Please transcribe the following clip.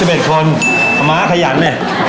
อามามาขยันไหม